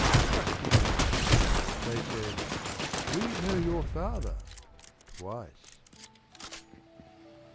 we must be nice !' They said :' We know your father !' twice.